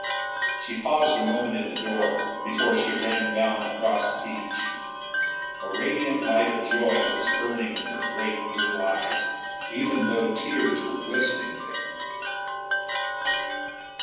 She paused a moment in the door, before she ran down across the beach. A radiant light of joy was burning in her great blue eyes, even though tears were glistening there.